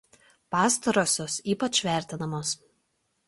Pastarosios ypač vertinamos.